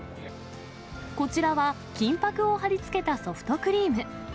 こちらは、金ぱくを貼り付けたソフトクリーム。